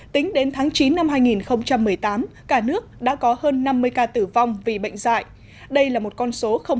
tính đến tháng chín năm hai nghìn một mươi tám cả nước đã có hơn năm mươi ca tử vong vì bệnh dạy đây là một con số không